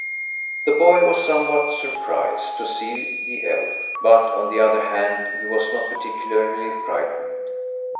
The boy was somewhat surprised to see the elf, but, on the other hand, he was not particularly frightened.